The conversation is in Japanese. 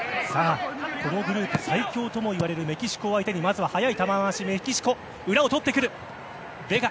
このグループ最強ともいわれるメキシコを相手にまずは速い球回しのメキシコ。